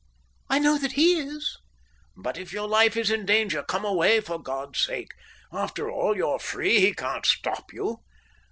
I know that he is." "But if your life is in danger, come away for God's sake. After all, you're free. He can't stop you."